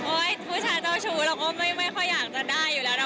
ผู้ชายเจ้าชู้เราก็ไม่ค่อยอยากจะได้อยู่แล้วเนอ